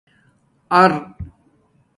اَر